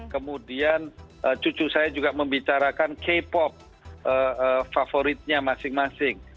kemudian cucu saya juga membicarakan k pop favoritnya masing masing